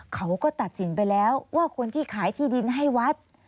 เขาก็ตัดสินไปแล้วว่าคนที่ขายที่ดินให้วัด